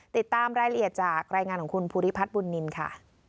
ติดตามรายละเอียดจากรายงานของคุณภูริพัฒน์บุญนินค่ะ